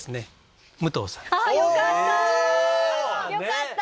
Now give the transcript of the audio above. よかった！